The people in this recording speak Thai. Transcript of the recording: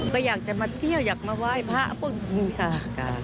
ก็อยากจะมาเที่ยวอยากมาไหว้พระพวกนี้ค่ะ